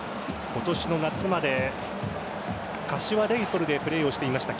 今年の夏まで柏レイソルでプレーをしていました